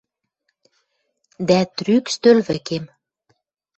Дӓ трӱк стӧл вӹкем